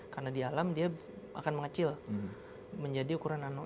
karena di alam dia akan mengecil menjadi ukuran nano